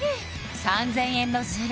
３０００円のズレ